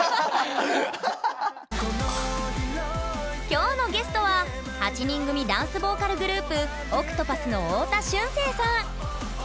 きょうのゲストは８人組ダンスボーカルグループＯＣＴＰＡＴＨの太田駿静さん！